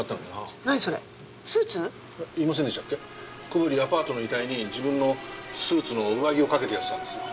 小堀アパートの遺体に自分のスーツの上着をかけてやってたんですよ。